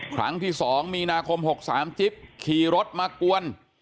ครั้งที่๒มีนาคม๖๓จิ๊บขี่รถมากวน